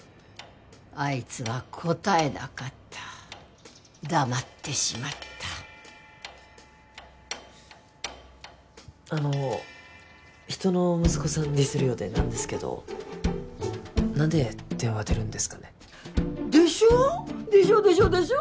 あいつは答えなかった黙ってしまったあの人の息子さんディスるようで何ですけど何で電話出るんですかね？でしょう？でしょ？でしょ？でしょ？